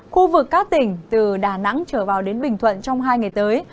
khu vực các tỉnh từ đà nẵng trở vào đến bình thuận trong hai ngày tới